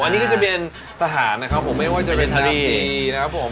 อันนี้ก็จะเป็นสถานนะครับผมไม่ว่าจะเป็นสถานีนะครับผม